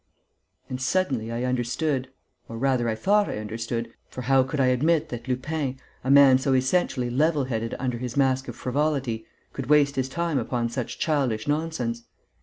And suddenly I understood ... or rather I thought I understood, for how could I admit that Lupin, a man so essentially level headed under his mask of frivolity, could waste his time upon such childish nonsense?